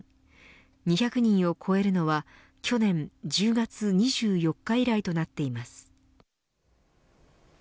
２００人を超えるのは去年１０月２４日以来となっています。